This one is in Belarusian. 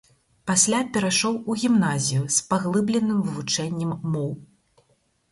Пасля перайшоў у гімназію з паглыбленым вывучэннем моў.